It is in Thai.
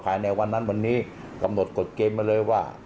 ภายในวันนั้นวันนี้กำหนดกฎเกณฑ์มาเลยว่า